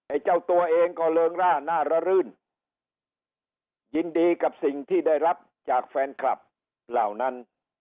เจ้าตัวเองก็เริงร่าหน้าระรื่นยินดีกับสิ่งที่ได้รับจากแฟนคลับเหล่านั้น